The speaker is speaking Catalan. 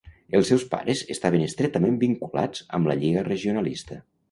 Els seus pares estaven estretament vinculats amb la Lliga Regionalista.